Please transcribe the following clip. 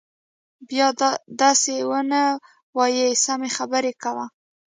بيا دسې ونه وايي سمې خبرې کوه.